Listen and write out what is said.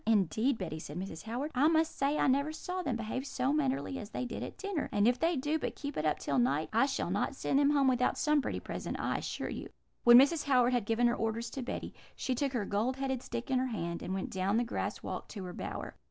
"'Indeed, Betty,' said Mrs. Howard, 'I must say I never saw them behave so mannerly as they did at dinner, and if they do but keep it up till night, I shall not send them home without some pretty present, I assure you.' "When Mrs. Howard had given her orders to Betty, she took her gold headed stick in her hand, and went down the grass walk to her bower.